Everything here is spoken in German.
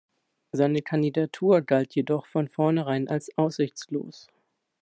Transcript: Seine Kandidatur galt jedoch von vornherein als aussichtslos.